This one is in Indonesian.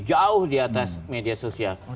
jauh di atas media sosial